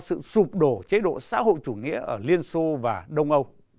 sự sụp đổ chế độ xã hội chủ nghĩa ở liên xô và đông âu